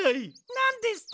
なんですと！